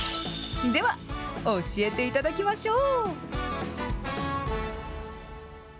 では教えていただきましょう。